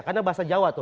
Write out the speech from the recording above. karena bahasa jawa tuh